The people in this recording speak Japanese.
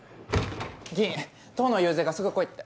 議員党の遊説がすぐ来いって。